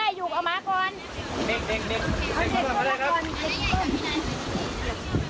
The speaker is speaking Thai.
เอาเม็ดลูกมั้ยได้ครับ